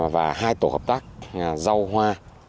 và hai tổ hợp tác rau hoa